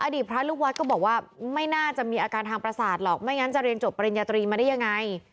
พระลูกวัดก็บอกว่าไม่น่าจะมีอาการทางประสาทหรอกไม่งั้นจะเรียนจบปริญญาตรีมาได้ยังไง